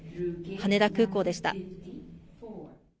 羽田空港でした。